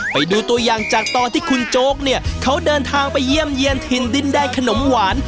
ไปดูตัวอย่างจากตอนที่คุณโจ๊กเนี่ยเขาเดินทางไปเยี่ยมเยี่ยนถิ่นดินแดงขนมหวาน